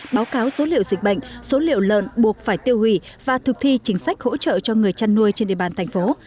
báo cáo số liệu dịch bệnh số liệu lợn buộc phải tiêu hủy và thực thi chính sách hỗ trợ cho người chăn nuôi trên địa bàn thành phố